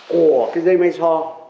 của cái dây máy so